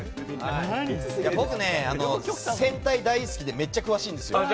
僕ね、戦隊大好きでめっちゃ詳しいんです。